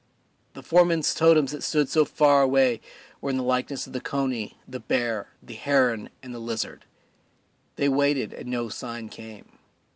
The four men's totems that stood so far away were in the likeness of the coney, the bear, the heron, and the lizard. They waited, and no sign came.